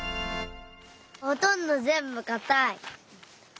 ほとんどぜんぶかたい。